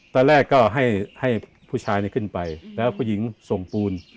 ตอนแรกก็ให้ผู้ชายขึ้นไปแล้วผู้หญิงส่งปูน